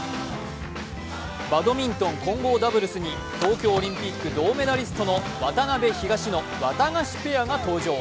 バドミントン混合ダブルスに東京オリンピック銅メダリストの渡辺・東野、ワタガシペアが登場。